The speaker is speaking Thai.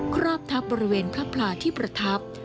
คราบทับบริเวณพระพลาที่ประทับ